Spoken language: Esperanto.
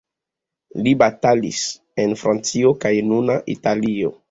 Li batalis en Francio kaj nuna Italio.